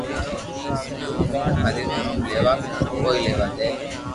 تو ڪون ھري رو نوم ليوا ڪوئي ليوا دي